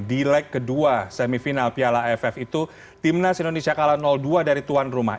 di leg kedua semifinal piala aff itu timnas indonesia kalah dua dari tuan rumah